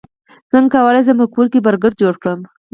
څنګه کولی شم په کور کې برګر جوړ کړم